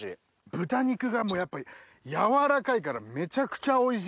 豚肉がやっぱり軟らかいからめちゃくちゃおいしい。